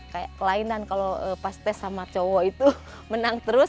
kayak kelainan kalau pas tes sama cowok itu menang terus